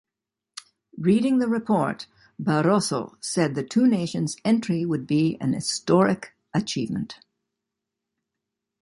Reading the report, Barroso said the two nations' entry would be a "historic achievement".